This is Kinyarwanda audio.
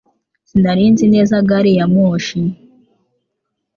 Sinari nzi neza gari ya moshi